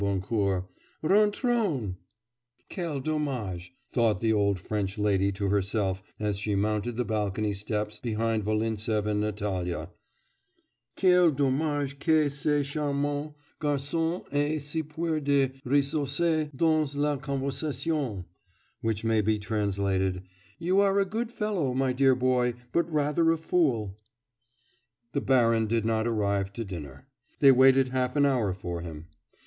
Boncourt, 'rentrons.' 'Quel dommage,' thought the old French lady to herself as she mounted the balcony steps behind Volintsev and Natalya, 'quel dommage que ce charmant garçon ait si peu de ressources dans la conversation,' which may be translated, 'you are a good fellow, my dear boy, but rather a fool.' The baron did not arrive to dinner. They waited half an hour for him.